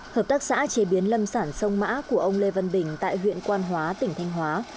hợp tác xã chế biến lâm sản sông mã của ông lê văn bình tại huyện quan hóa tỉnh thanh hóa